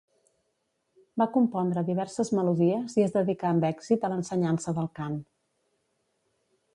Va compondre diverses melodies i es dedicà amb èxit a l'ensenyança del cant.